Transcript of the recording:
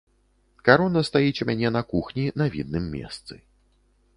Карона стаіць у мяне на кухні на відным месцы.